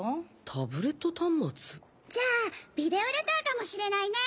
タブレット端末じゃあビデオレターかもしれないね！